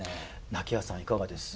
菜希亜さんいかがです？